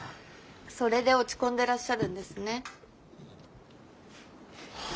それで落ち込んでらっしゃるんですね。